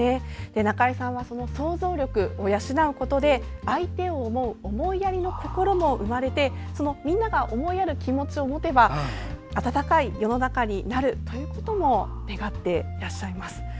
なかえさんはその想像力を養うことで相手を思う思いやりの心も生まれてみんなが思いやる気持ちを持てば温かい世の中になるということも願っていらっしゃいます。